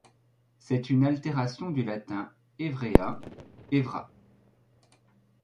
C’est une altération du latin Evrea, Evra.